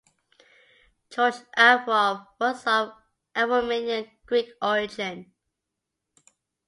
George Averoff was of Aromanian-Greek origin.